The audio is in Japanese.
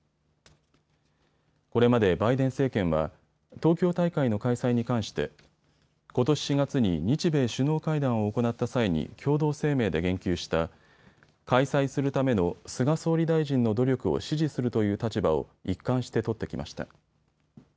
これまでバイデン政権は東京大会の開催に関してことし４月に日米首脳会談を行った際に共同声明で言及した開催するための菅総理大臣の努力を支持するという立場を一貫して取ってきました。